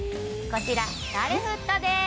こちらカルフットです